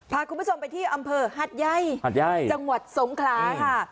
พาคุณผู้ชมไปที่อำเภอหัดใหญ่จังหวัดสงขลาค่ะ